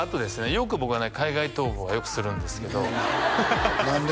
よく僕はね海外逃亡はよくするんですけど何で？